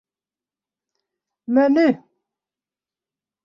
Menu.